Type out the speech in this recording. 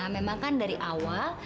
memang kan dari awal